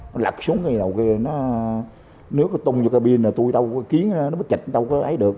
nó lật xuống cái đầu kia nó nếu có tung vô cái pin là tôi đâu có kiến nó mới chạch đâu có ấy được